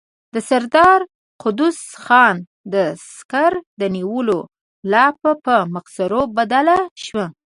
د سردار قدوس خان د سکر د نيولو لاپه په مسخرو بدله شوه.